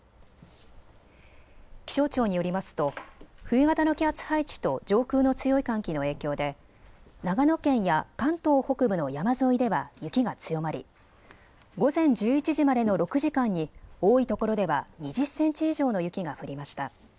気象庁によりますと冬型の気圧配置と上空の強い寒気の影響で長野県や関東北部の山沿いでは雪が強まり、午前１１時までの６時間に多いところでは２０センチ以上の雪が降りました。